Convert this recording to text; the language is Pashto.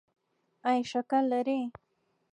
ایا شکر لرئ؟